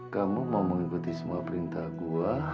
kamu mau mengikuti semua perintah gue